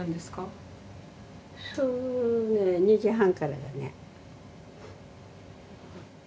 そうね２時半からだね。